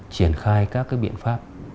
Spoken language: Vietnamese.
triển khai các biện pháp